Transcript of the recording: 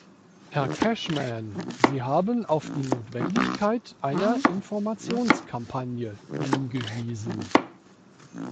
Herr Cashman, Sie haben auf die Notwendigkeit einer Informationskampagne hingewiesen.